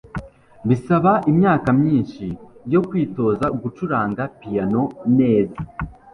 bisaba imyaka myinshi yo kwitoza gucuranga piyano neza